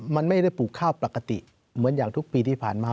มันไม่ได้ปลูกข้าวปกติเหมือนอย่างทุกปีที่ผ่านมา